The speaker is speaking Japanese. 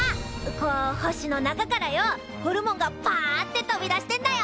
こう星の中からよおホルモンがパァッて飛び出してんだよ。